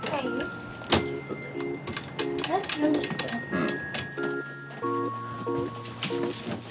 うん。